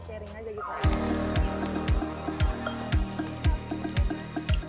di sharing aja gitu